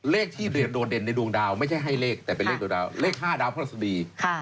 เลขที่โดดเด่นในดวงดาวไม่ใช่ให้เลขแต่เป็นเลขตัวดาวเลข๕ดาวพระราชดี